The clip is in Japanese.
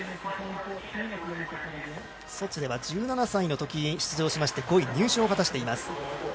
ソチでは１７歳のときに出場しまして、５位、入賞を果たしています。